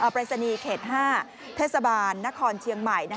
ปรายศนีย์เขต๕เทศบาลนครเชียงใหม่